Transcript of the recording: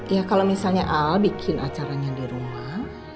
ya kalau misalnya al bikin acaranya di rumah